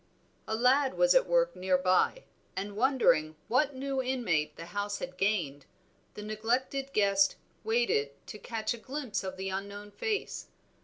A lad was at work near by, and wondering what new inmate the house had gained, the neglected guest waited to catch a glimpse of the unknown face.